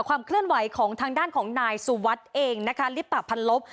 ความเคลื่อนไหวของทางด้านของนายสุวัสดิ์เองนะคะลิปปะพันลบ